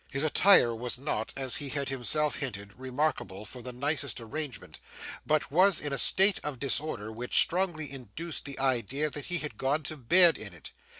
His attire was not, as he had himself hinted, remarkable for the nicest arrangement, but was in a state of disorder which strongly induced the idea that he had gone to bed in it.